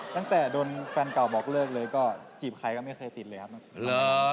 ตั้งแต่โดนแฟนเก่าบอกเลิกเลยก็จีบใครก็ไม่เคยติดเลยครับ